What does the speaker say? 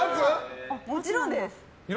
もちろんです！